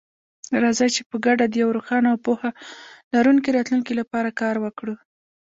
راځئ چې په ګډه د یو روښانه او پوهه لرونکي راتلونکي لپاره کار وکړو.